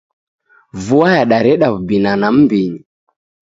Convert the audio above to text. Vua yadareda wubinana m'mbinyi.